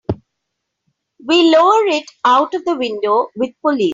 We'll lower it out of the window with pulleys.